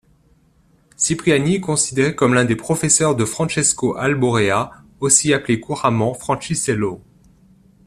Scipriani est considéré comme l’un des professeurs de Francesco Alborea, aussi appelé couramment Franciscello.